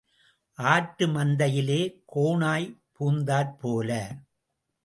ஆட்டு மந்தையிலே கோனாய் புகுந்தாற் போல.